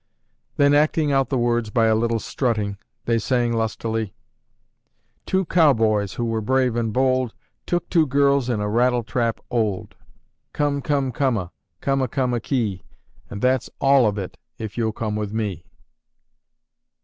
Then, acting out the words by a little strutting, they sang lustily: "Two cowboys who were brave and bold Took two girls in a rattletrap old. Come, come, coma, Coma, coma, kee. And that's all of it If you'll come with me."